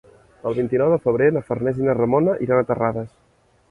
El vint-i-nou de febrer na Farners i na Ramona iran a Terrades.